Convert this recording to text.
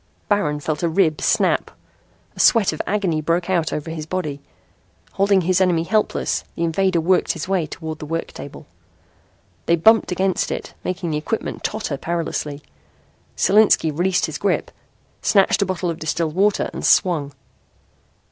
Baron felt a rib snap. A sweat of agony broke out over his body. Holding his enemy helpless the invader worked his way toward the work table. They bumped against it, making the equipment totter perilously. Solinski released his grip, snatched a bottle of distilled water and swung.